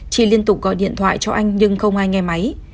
chi liên tục gọi điện thoại cho anh nhưng không ai nghe máy